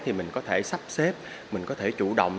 thì mình có thể sắp xếp mình có thể chủ động